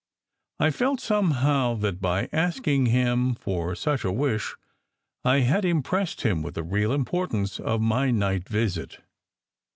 I felt somehow that, by asking him for such a wish, I had impressed him with the real importance of my night visit.